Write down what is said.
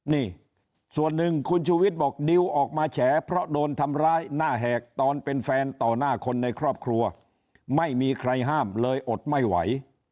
นี่ส่วนหนึ่งคุณชูวิทย์บอกดิวออกมาแฉเพราะโดนทำร้ายหน้าแหกตอนเป็นแฟนต่อหน้าคนในครอบครัวไม่มีใครห้ามเลยอดไม่ไหว